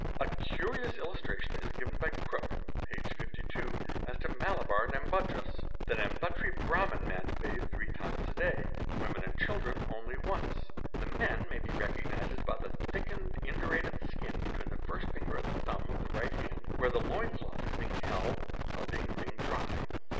A curious illustration is given by Jrooke (p. 52) as to Malabar Nambudris :—'' The Nambutiri Brahman men bathe three times a day; women and children only once. 'The men nay be recognised by the thick indurated skin between the first finger nd thumb of the right hand, where the loin cloth is being held while ping wringed dry.